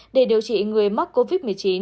để điều trị người mắc covid một mươi chín